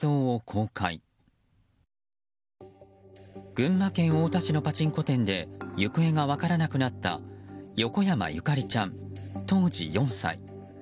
群馬県太田市のパチンコ店で行方が分からなくなった横山ゆかりちゃん、当時４歳。